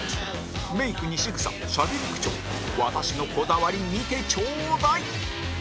メイクにしぐさしゃべり口調私のこだわり見てちょーだい！！